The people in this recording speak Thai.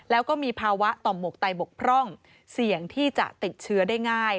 แล้วก็มีภาวะต่อหมวกไตบกพร่องเสี่ยงที่จะติดเชื้อได้ง่าย